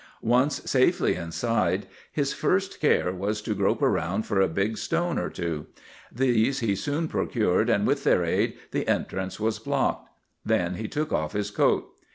"Once safely inside, his first care was to grope around for a big stone or two. These he soon procured, and with their aid the entrance was blocked. Then he took off his coat.